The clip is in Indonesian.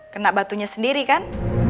kena batunya sendiri kan